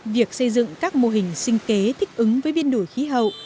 việc xây dựng các mô hình sinh kế thích ứng với biến đổi khí hậu